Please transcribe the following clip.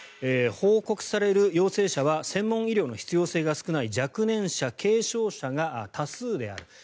報告される陽性者は専門医療の必要性が少ない若年者・軽症者が多数である。